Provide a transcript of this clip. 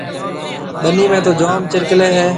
ٻنِي ۾ تو جوم چرڪلَي هيَ۔